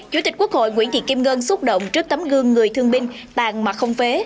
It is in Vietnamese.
chủ tịch quốc hội nguyễn thị kim ngân xúc động trước tấm gương người thương binh tàn mặt không phế